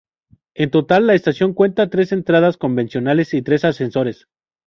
En total la estación cuenta tres entradas convencionales y tres ascensores.